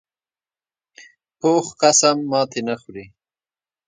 پوخ قسم ماتې نه خوري